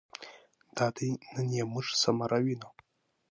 دادی نن یې موږ ثمر وینو.